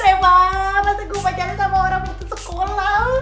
remah banget gue pacaran sama orang putus sekolah